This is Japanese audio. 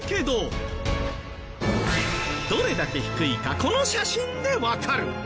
どれだけ低いかこの写真でわかる。